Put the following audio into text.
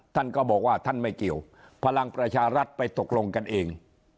ท่านก็บอกว่าท่านไม่เกี่ยวพลังประชารัฐไปตกลงกันเอง